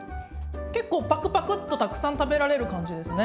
結構パクパクッとたくさん食べられる感じですね。